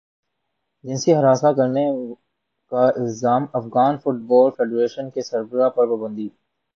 جنسی ہراساں کرنے کا الزام افغان فٹبال فیڈریشن کے سربراہ پر پابندی